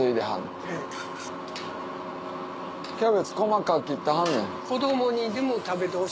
キャベツ細かく切ってはんねん。